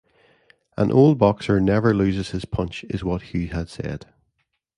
An old boxer never loses his punch is what Hugh had said.